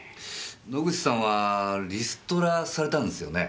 野口さんはリストラされたんですよね？